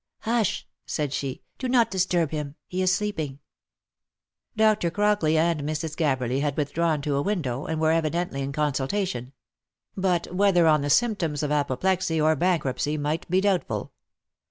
" Hush !" said she. " Do not disturb him. He is sleeping." Dr. Crockley and Mrs. Gabberly had withdrawn to a window, and were evidently in consultation ; but whether on the symptoms of apoplexy, or bankruptcy, might be doubtful.